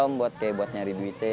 jadi sekarang bisa buat nyari duitnya